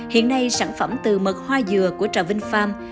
hiện nay sản phẩm từ mật hoa dừa của trà vinh farm